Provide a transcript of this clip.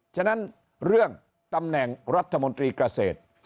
ฉะนั้นเรื่องตำแหน่งรัฐมนตรีเกษตร